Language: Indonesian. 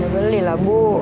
beli lah bu